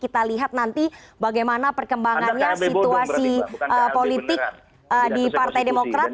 kita lihat nanti bagaimana perkembangannya situasi politik di partai demokrat